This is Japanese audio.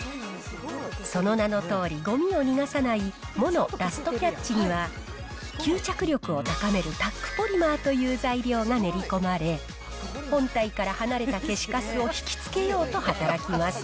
その名のとおり、ごみを逃がさないモノダストキャッチには、吸着力を高めるタックポリマーという材料が練り込まれ、本体から離れた消しカスを引きつけようと働きます。